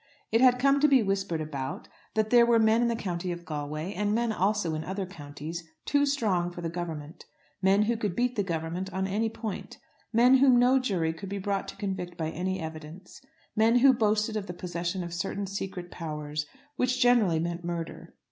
It had come to be whispered about, that there were men in the County of Galway, and men also in other counties, too strong for the Government, men who could beat the Government on any point, men whom no jury could be brought to convict by any evidence; men who boasted of the possession of certain secret powers, which generally meant murder.